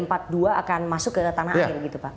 ay empat dua akan masuk ke tanah air gitu pak